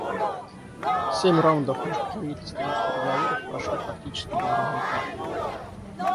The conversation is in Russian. Семь раундов межправительственных переговоров прошли практически безрезультатно.